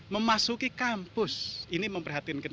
memasuki kampus ini memperhatikan